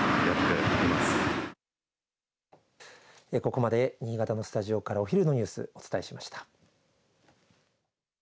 ここまで新潟のスタジオからお昼のニュースをお伝えしました。